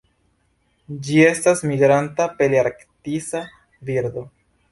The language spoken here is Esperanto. Ĝi estas migranta palearktisa birdo.